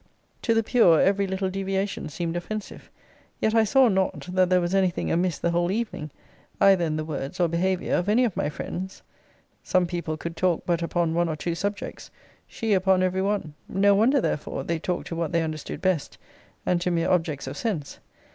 'To the pure, every little deviation seemed offensive: yet I saw not, that there was any thing amiss the whole evening, either in the words or behaviour of any of my friends. Some people could talk but upon one or two subjects: she upon every one: no wonder, therefore, they talked to what they understood best; and to mere objects of sense.